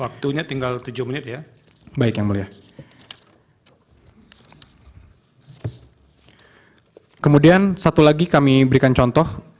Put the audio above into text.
kemudian satu lagi kami berikan contoh